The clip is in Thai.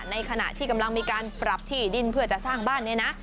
ในขณะที่กำลังมีการปรับที่ดินเพื่อจะสร้างบ้านเนี่ยนะ